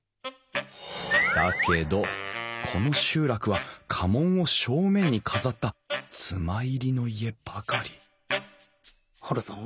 だけどこの集落は家紋を正面に飾った妻入りの家ばかりハルさん？